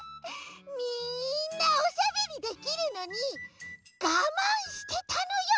みんなおしゃべりできるのにがまんしてたのよ！